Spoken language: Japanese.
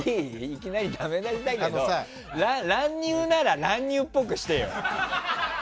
いきなりダメ出しだけど乱入なら乱入っぽくしてよ。